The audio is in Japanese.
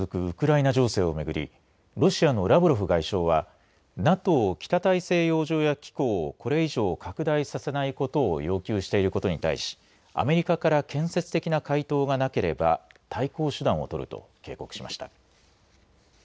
ウクライナ情勢をめぐりロシアのラブロフ外相はＮＡＴＯ、北大西洋条約機構をこれ以上拡大させないことを要求していることに対しアメリカから建設的な回答がなければ対抗手段をとると警告しました。